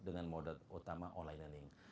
dengan mode utama online learning